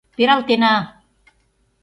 Пералтена!